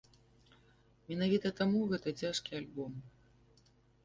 Менавіта таму гэта цяжкі альбом.